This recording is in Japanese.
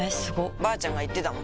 ばあちゃんが言ってたもん